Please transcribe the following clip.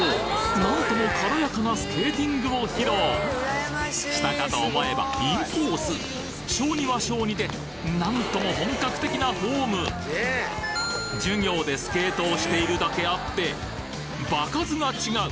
なんとも軽やかなスケーティングを披露したかと思えばインコース小２は小２でなんとも本格的なフォーム授業でスケートをしているだけあって場数が違う！